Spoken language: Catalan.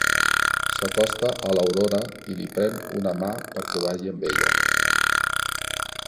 S'acosta a l'Aurora i li pren una mà perquè balli amb ella.